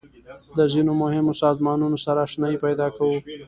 د ځینو مهمو سازمانونو سره آشنایي پیدا کوو.